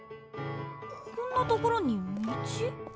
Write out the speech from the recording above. こんな所に道？